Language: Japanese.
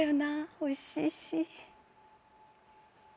おいしいし。